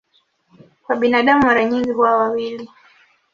Kwa binadamu mara nyingi huwa wawili.